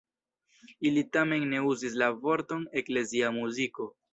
Ili tamen ne uzis la vorton „eklezia muziko“.